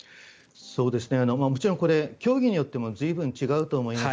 もちろんこれ競技によっても随分違うと思います。